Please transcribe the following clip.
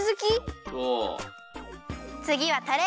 つぎはたれ。